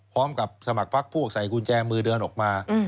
พร้อมกับสมัครพักพวกใส่กุญแจมือเดินออกมา